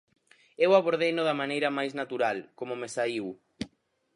Eu abordeino da maneira máis natural, como me saíu.